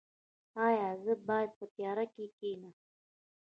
ایا زه باید په تیاره کې کینم؟